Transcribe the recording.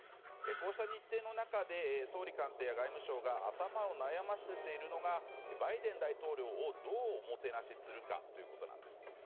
こうした日程の中で総理官邸や外務省が頭を悩ませているのがバイデン大統領をどう、おもてなしするかということなんです。